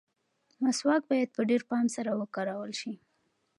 مسواک باید په ډېر پام سره وکارول شي.